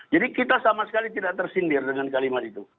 jadi kita sama sekali tidak tersindir dengan kalimat itu